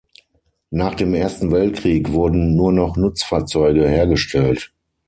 Nach dem Ersten Weltkrieg wurden nur noch Nutzfahrzeuge hergestellt.